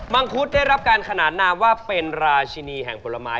งคุดได้รับการขนานนามว่าเป็นราชินีแห่งผลไม้